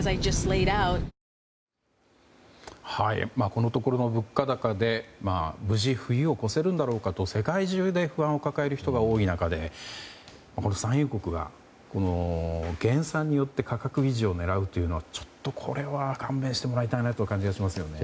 このところの物価高で無事、冬を越せるのだろうかと世界中で不安を抱える人が多い中で産油国が減産によって価格維持を狙うというのはちょっとこれは勘弁してもらいたい感じがしますね。